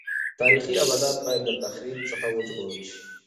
تاریخي ابدات باید له تخریب څخه وژغورل شي.